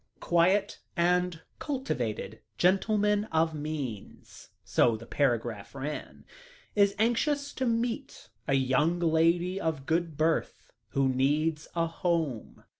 "Quiet and cultivated gentleman of means," so the paragraph ran, "is anxious to meet a young lady of good birth, who needs a home.